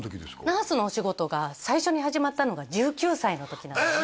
「ナースのお仕事」が最初に始まったのが１９歳の時え